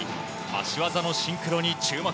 脚技のシンクロに注目。